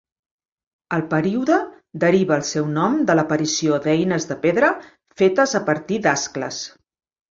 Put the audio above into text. El període deriva el seu nom de l'aparició d'eines de pedra fetes a partir d'ascles.